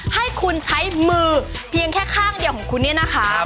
ให้คุณใช้มือเพียงแค่ข้างเดียวของคุณเนี่ยนะคะ